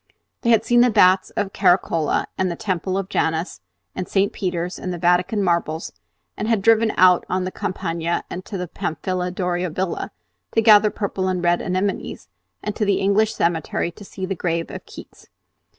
They had seen the Baths of Caracalla and the Temple of Janus and St. Peter's and the Vatican marbles, and had driven out on the Campagna and to the Pamphili Doria Villa to gather purple and red anemones, and to the English cemetery to see the grave of Keats.